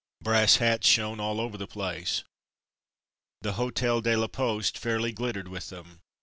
"Brass hats" shone all over the place. The Hotel de la Poste fairly glittered with them.